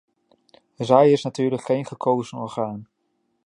Zij is natuurlijk geen gekozen orgaan.